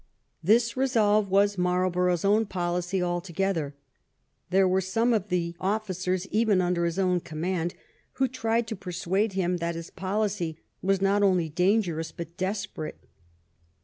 This resolve was Marlborough's own policy altogether. There were some of the officers, even under his own command, who tried to persuade him that his policy was not only dangerous but desperate.